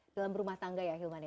dalam rumah tangga ya hilman ya